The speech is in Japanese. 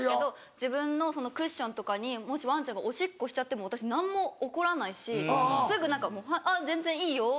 自分のクッションにもしワンちゃんがおしっこしちゃっても私何も怒らないしすぐ何かもうあっ全然いいよって。